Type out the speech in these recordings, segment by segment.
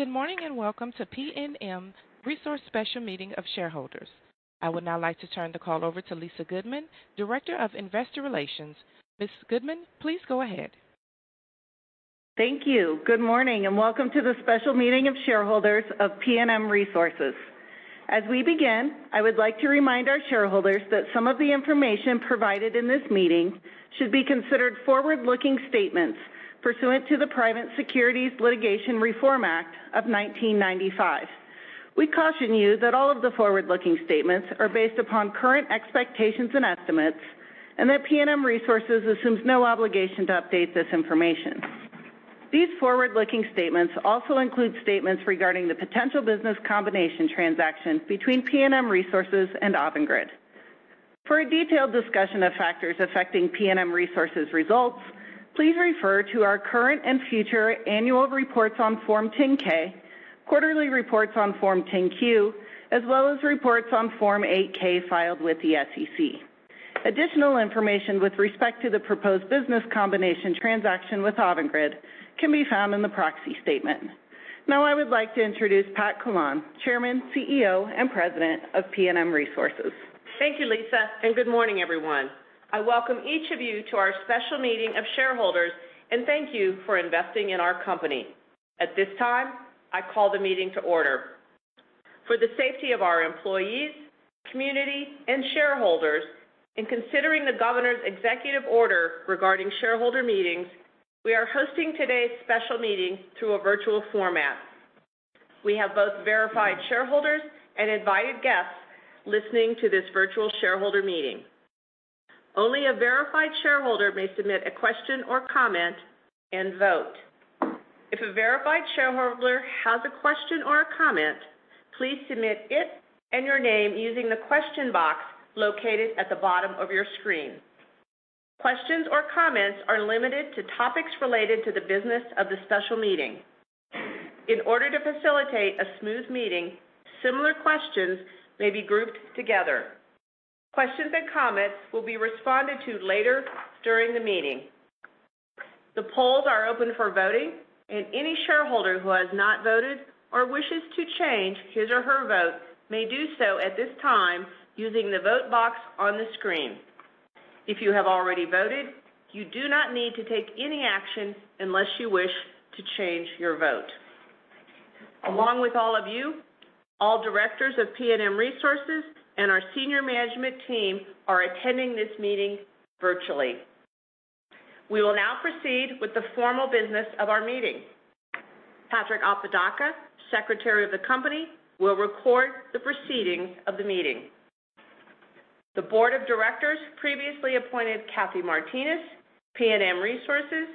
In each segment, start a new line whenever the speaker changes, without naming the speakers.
Good morning, welcome to PNM Resources Special Meeting of Shareholders. I would now like to turn the call over to Lisa Goodman, Director of Investor Relations. Ms. Goodman, please go ahead.
Thank you. Good morning, and welcome to the special meeting of shareholders of PNM Resources. As we begin, I would like to remind our shareholders that some of the information provided in this meeting should be considered forward-looking statements pursuant to the Private Securities Litigation Reform Act of 1995. We caution you that all of the forward-looking statements are based upon current expectations and estimates and that PNM Resources assumes no obligation to update this information. These forward-looking statements also include statements regarding the potential business combination transaction between PNM Resources and Avangrid. For a detailed discussion of factors affecting PNM Resources results, please refer to our current and future annual reports on Form 10-K, quarterly reports on Form 10-Q, as well as reports on Form 8-K filed with the SEC. Additional information with respect to the proposed business combination transaction with Avangrid can be found in the proxy statement. Now I would like to introduce Pat Vincent-Collawn, Chairman, CEO, and President of PNM Resources.
Thank you, Lisa, and good morning, everyone. I welcome each of you to our special meeting of shareholders, and thank you for investing in our company. At this time, I call the meeting to order. For the safety of our employees, community, and shareholders, in considering the governor's executive order regarding shareholder meetings, we are hosting today's special meeting through a virtual format. We have both verified shareholders and invited guests listening to this virtual shareholder meeting. Only a verified shareholder may submit a question or comment and vote. If a verified shareholder has a question or a comment, please submit it and your name using the question box located at the bottom of your screen. Questions or comments are limited to topics related to the business of the special meeting. In order to facilitate a smooth meeting, similar questions may be grouped together. Questions and comments will be responded to later during the meeting. The polls are open for voting, and any shareholder who has not voted or wishes to change his or her vote may do so at this time using the vote box on the screen. If you have already voted, you do not need to take any action unless you wish to change your vote. Along with all of you, all directors of PNM Resources and our senior management team are attending this meeting virtually. We will now proceed with the formal business of our meeting. Patrick Apodaca, Secretary of the company, will record the proceedings of the meeting. The Board of Directors previously appointed Cathy Martinez, PNM Resources,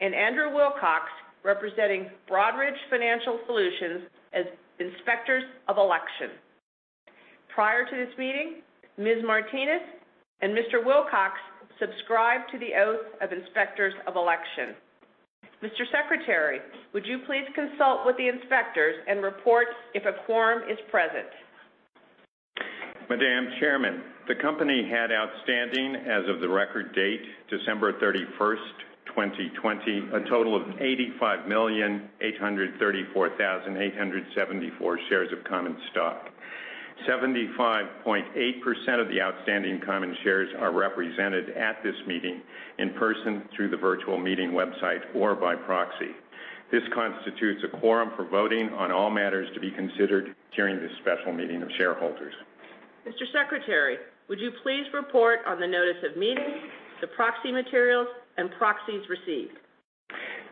and Andrew Wilcox, representing Broadridge Financial Solutions, as Inspectors of Election. Prior to this meeting, Ms. Martinez and Mr. Wilcox subscribed to the Oath of Inspectors of Election. Mr. Secretary, would you please consult with the inspectors and report if a quorum is present?
Madam Chairman, the company had outstanding as of the record date, December 31st, 2020, a total of 85,834,874 shares of common stock. 75.8% of the outstanding common shares are represented at this meeting in person through the virtual meeting website or by proxy. This constitutes a quorum for voting on all matters to be considered during this special meeting of shareholders.
Mr. Secretary, would you please report on the notice of meeting, the proxy materials, and proxies received?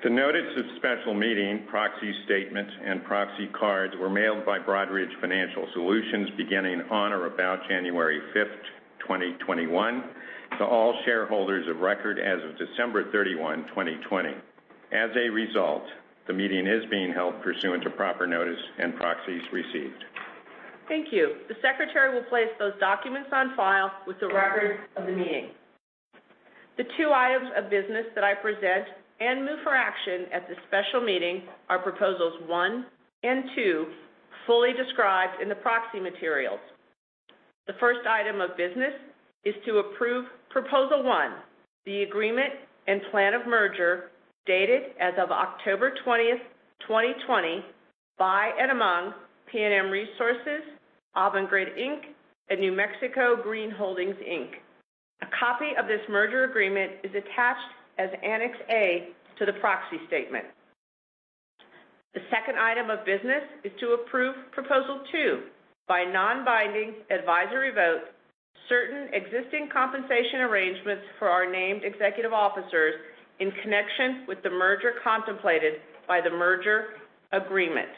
The notice of special meeting, proxy statements, and proxy cards were mailed by Broadridge Financial Solutions beginning on or about January 5th, 2021, to all shareholders of record as of December 31, 2020. As a result, the meeting is being held pursuant to proper notice and proxies received.
Thank you. The secretary will place those documents on file with the records of the meeting. The two items of business that I present and move for action at this special meeting are Proposals 1 and 2, fully described in the proxy materials. The first item of business is to approve Proposal 1, the agreement and plan of merger dated as of October 20th, 2020, by and among PNM Resources, Avangrid, Inc., and New Mexico Green Holdings, Inc. A copy of this merger agreement is attached as Annex A to the proxy statement. The second item of business is to approve Proposal 2 by non-binding advisory vote, certain existing compensation arrangements for our named executive officers in connection with the merger contemplated by the merger agreement.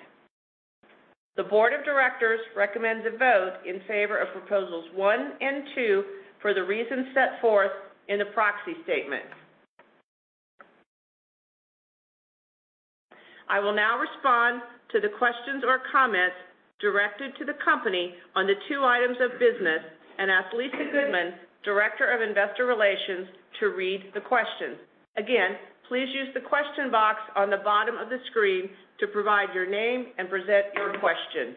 The Board of Directors recommends a vote in favor of Proposals 1 and 2 for the reasons set forth in the proxy statement. I will now respond to the questions or comments directed to the company on the two items of business and ask Lisa Goodman, Director of Investor Relations, to read the questions. Again, please use the question box on the bottom of the screen to provide your name and present your question.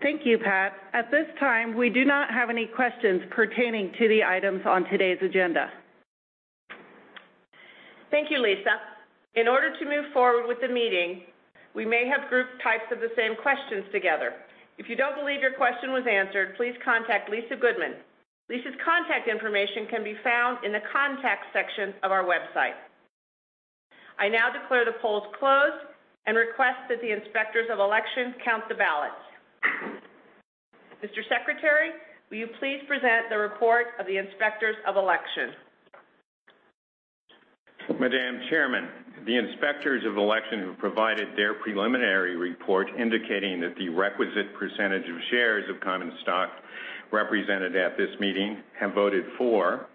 Thank you, Pat. At this time, we do not have any questions pertaining to the items on today's agenda.
Thank you, Lisa. In order to move forward with the meeting, we may have grouped types of the same questions together. If you don't believe your question was answered, please contact Lisa Goodman. Lisa's contact information can be found in the contact section of our website. I now declare the polls closed and request that the Inspectors of Election count the ballots. Mr. Secretary, will you please present the report of the Inspectors of Election?
Madam Chairman, the Inspectors of Election have provided their preliminary report indicating that the requisite percentage of shares of common stock represented at this meeting have voted for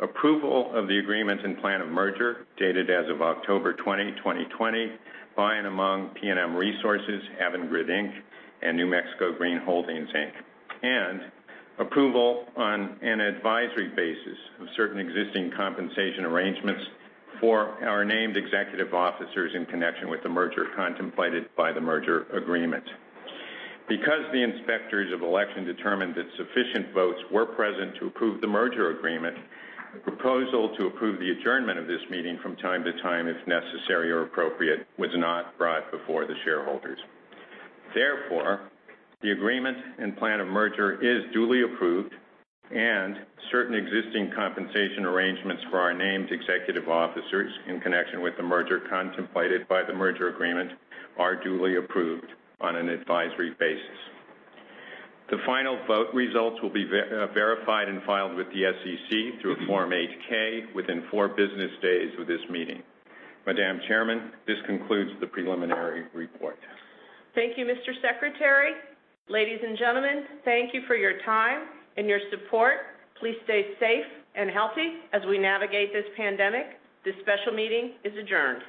approval of the agreement and plan of merger, dated as of October 20, 2020, by and among PNM Resources, Avangrid, Inc., and New Mexico Green Holdings, Inc., and approval on an advisory basis of certain existing compensation arrangements for our named executive officers in connection with the merger contemplated by the merger agreement. Because the Inspectors of Election determined that sufficient votes were present to approve the merger agreement, the proposal to approve the adjournment of this meeting from time to time, if necessary or appropriate, was not brought before the shareholders. Therefore, the agreement and plan of merger is duly approved, and certain existing compensation arrangements for our named executive officers in connection with the merger contemplated by the merger agreement are duly approved on an advisory basis. The final vote results will be verified and filed with the SEC through Form 8-K within four business days of this meeting. Madam Chairman, this concludes the preliminary report.
Thank you, Mr. Secretary. Ladies and gentlemen, thank you for your time and your support. Please stay safe and healthy as we navigate this pandemic. This special meeting is adjourned.